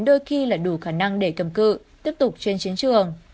đôi khi là đủ khả năng để cầm cự tiếp tục trên chiến trường